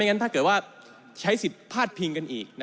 งั้นถ้าเกิดว่าใช้สิทธิ์พาดพิงกันอีก